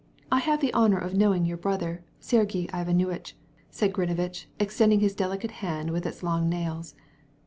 "I have the honor of knowing your brother, Sergey Ivanovitch," said Grinevitch, holding out his slender hand with its long nails.